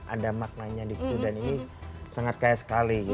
ada maknanya di situ dan ini sangat kaya sekali